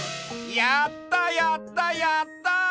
やったやったやった！